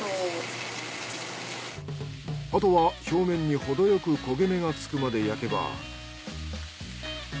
あとは表面にほどよく焦げ目がつくまで焼けば。